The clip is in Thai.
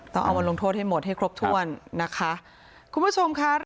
เอามาลงโทษให้หมดให้ครบถ้วนนะคะคุณผู้ชมค่ะ